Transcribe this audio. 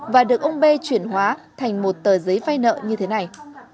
và được ông bê chuyển hóa thành một tờ giấy vay nợ như thế này